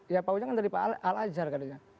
ya pak ujang kan dari pak al azhar katanya